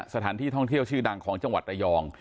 สถานที่ท่องเที่ยวชื่อดังของจังหวัดระยอง